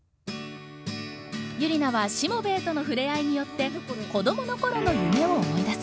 ユリナはしもべえとの触れ合いによって子どもの頃の夢を思い出す。